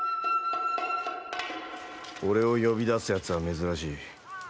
俺を呼び出すやつは珍しい。